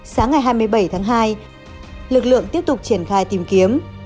sáng ngày hai mươi bảy tháng hai lực lượng tiếp tục triển khai tìm kiếm